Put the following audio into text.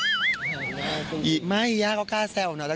อีย่าก็กล้าไม่อีย่าก็กล้าแซวเนอะ